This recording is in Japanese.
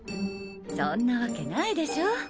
そんなワケないでしょ。